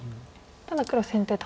ただ黒先手と。